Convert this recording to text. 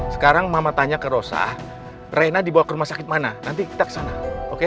sekarang mama tanya ke rosa rena dibawa ke rumah sakit mana nanti kita kesana